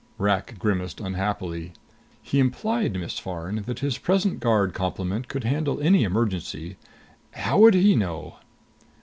Rak grimaced unhappily. "He implied, Miss Farn, that his present guard complement could handle any emergency. How would he know?"